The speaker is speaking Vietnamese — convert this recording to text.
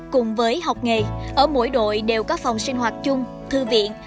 cùng với học nghề ở mỗi đội đều có phòng sinh hoạt chung thư viện